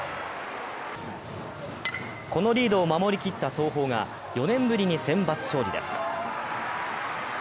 このリードを守りきった東邦が４年ぶりにセンバツ勝利です。